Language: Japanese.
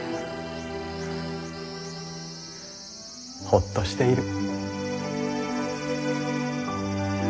ほっとしている。